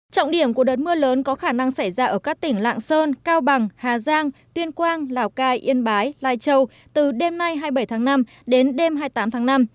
trọng điểm của đợt mưa lớn có khả năng xảy ra ở các tỉnh lạng sơn cao bằng hà giang tuyên quang lào cai yên bái lai châu từ đêm nay hai mươi bảy tháng năm đến đêm hai mươi tám tháng năm